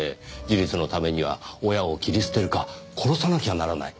自立のためには親を切り捨てるか殺さなきゃならない。